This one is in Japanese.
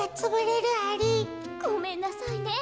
ごめんなさいね。